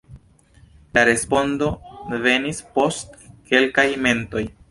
La respondo venis post kelkaj momentoj: